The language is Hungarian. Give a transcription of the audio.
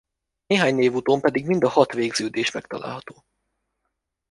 Néhány névutón pedig mind a hat végződés megtalálható.